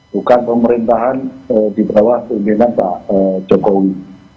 bukan pemerintahan di bawah pimpinan pak jokowi